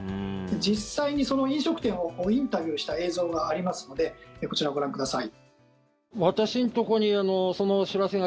実際に飲食店をインタビューした映像がありますのでこちら、ご覧ください。